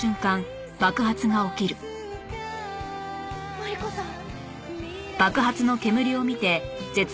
マリコさん！